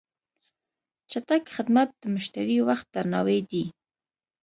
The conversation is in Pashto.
چټک خدمت د مشتری وخت درناوی دی.